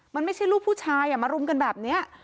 มันไม่ใช่ลูกผู้ชายมารุมกันแบบนี้